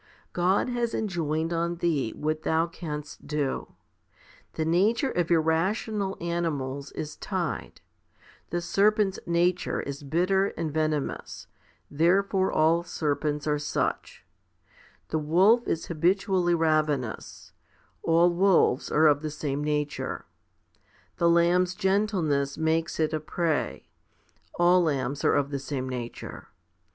God has enjoined on thee what thou canst do. The nature of irrational animals is tied. The serpent's nature 1 Ileb. i. 14. a Gen. i. 26. 3 Ps. xxxiv. 7. u8 FIFTY SPIRITUAL HOMILIES is bitter and venomous; therefore all serpents are such. The wolf is habitually ravenous ; all wolves are of the same nature. The lamb's gentleness makes it a prey ; all lambs are of the same nature.